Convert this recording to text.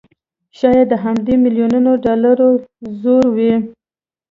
شايد د همدې مليونونو ډالرو زور وي